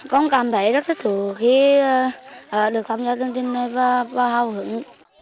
con cảm thấy rất thích thú khi được tham gia chương trình này và hào hứng